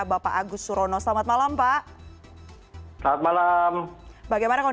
bapak agus surono selamat malam pak